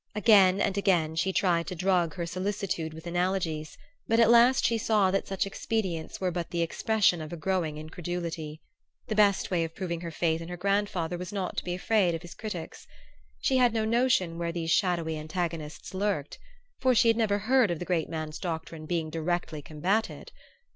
Again and again she tried to drug her solicitude with analogies; but at last she saw that such expedients were but the expression of a growing incredulity. The best way of proving her faith in her grandfather was not to be afraid of his critics. She had no notion where these shadowy antagonists lurked; for she had never heard of the great man's doctrine being directly combated.